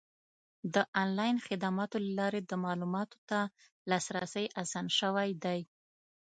د آنلاین خدماتو له لارې د معلوماتو ته لاسرسی اسان شوی دی.